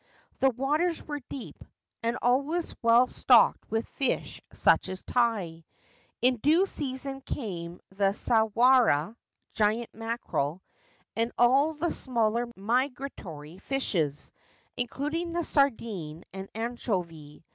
The waters were deep, and always well stocked with fish such as tai ; in due season came the sawara (giant mackerel) and all the smaller migratory fishes, including the sardine and the anchovy.